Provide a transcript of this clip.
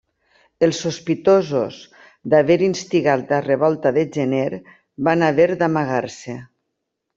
Els sospitosos d'haver instigat la revolta de gener van haver d'amagar-se.